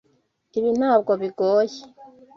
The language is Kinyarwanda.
Ibi ntabwo bigoye.